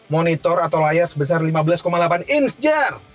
monitor atau layar sebesar lima belas delapan in secara